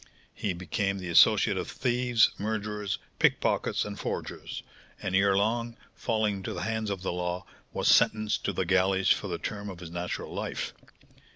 He became the associate of thieves, murderers, pickpockets, and forgers, and ere long, falling into the hands of the law, was sentenced to the galleys for the term of his natural life.